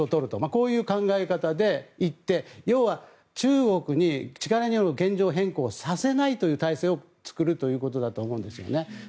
こういう考え方で行って要は中国に力による現状変更をさせないという体制を作るということだと思うんですよね。